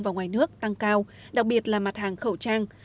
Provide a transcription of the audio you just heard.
và ngoài nước tăng cao đặc biệt là mặt hàng khẩu trang